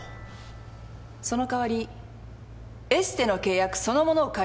そのかわりエステの契約そのものを解除します。